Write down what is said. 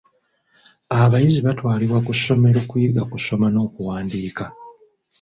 Abayizi batwalibwa ku ssomero kuyiga kusoma n'okuwandiika.